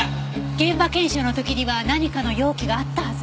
現場検証の時には何かの容器があったはず。